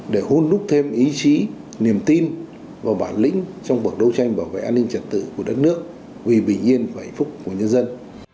để hôn đúc thêm ý chí niềm tin và bản lĩnh trong cuộc đấu tranh bảo vệ an ninh trật tự của đất nước vì bình yên và hạnh phúc của nhân dân